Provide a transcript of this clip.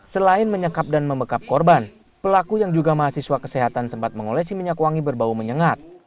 selain menyekap dan membekap korban pelaku yang juga mahasiswa kesehatan sempat mengolesi minyak wangi berbau menyengat